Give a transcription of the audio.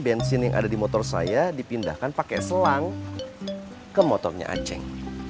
bensin yang ada di motor saya dipindahkan pakai selang ke motornya aceh